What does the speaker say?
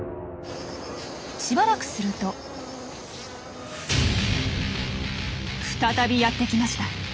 しばらくすると再びやってきました。